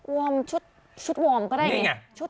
วอร์มชุดวอร์มก็ได้ไง